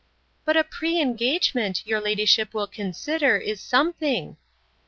But a pre engagement, your ladyship will consider, is something.